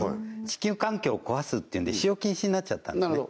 地球環境を壊すっていうんで使用禁止になっちゃったんですね